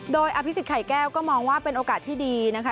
โดยอภิษฎไข่แก้วก็มองว่าเป็นโอกาสที่ดีนะคะ